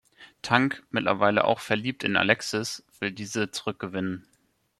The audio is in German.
Tank, mittlerweile auch verliebt in Alexis, will diese zurückgewinnen.